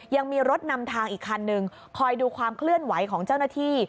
ยังมีรถนำทางอีกคันนึงคอยดูความเคลื่อนไหวของเจ้าหน้าที่